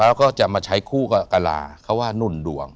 แล้วก็จะมาใช้คู่กับกะลาเขาว่านุ่นดวง